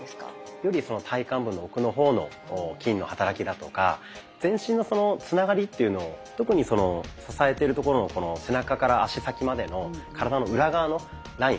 より体幹部の奥の方の筋の働きだとか全身のつながりというのを特に支えてるところの背中から足先までの体の裏側のライン